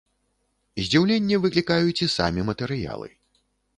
Здзіўленне выклікаюць і самі матэрыялы.